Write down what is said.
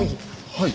はい。